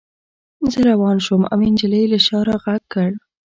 زه روان شوم او نجلۍ له شا را غږ کړ